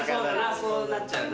そうなっちゃうな。